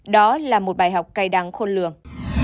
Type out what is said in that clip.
đó là một bài học cay đắng khôn lường